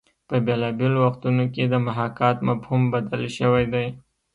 په بېلابېلو وختونو کې د محاکات مفهوم بدل شوی دی